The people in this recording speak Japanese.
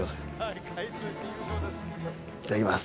いただきます。